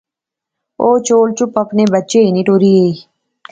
او چول چپ اپنے بچے ہنی ٹری گئی